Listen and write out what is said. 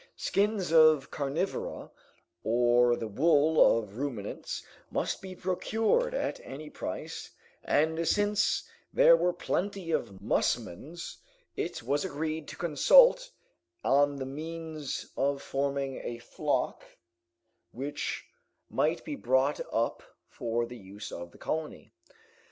Skins of carnivora or the wool of ruminants must be procured at any price, and since there were plenty of musmons, it was agreed to consult on the means of forming a flock which might be brought up for the use of the colony.